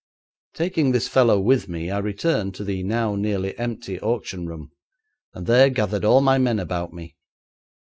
Taking this fellow with me I returned to the now nearly empty auction room and there gathered all my men about me.